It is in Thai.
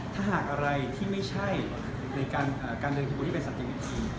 ถ้าหากอะไรที่ไม่ใช่ในการเดินขบวนที่เป็นสันติวิธี